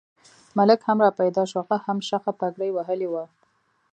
ملک هم را پیدا شو، هغه هم شخه پګړۍ وهلې وه.